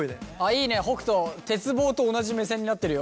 いいね北斗鉄棒と同じ目線になってるよ。